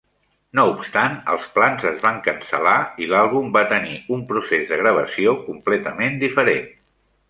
No obstant, els plans es van cancel·lar i l'àlbum va tenir un procés de gravació completament diferent.